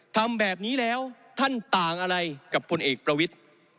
ทำแบบนี้แล้วท่านต่างอะไรกับพลเอกประวิทธิ์